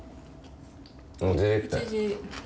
もう出ていった。